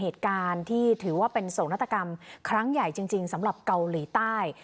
ที่ถือว่าเป็นโสดนตรกรรมครั้งใหญ่จริงสำหรับเกาหลีใต้